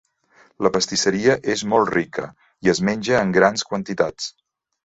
La pastisseria és molt rica i es menja en grans quantitats.